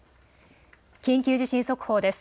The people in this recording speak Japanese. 緊急地震速報です。